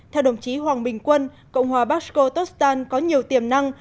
theo đồng chí hoàng bình quân cộng hòa bashkortostan có nhiều tiềm năng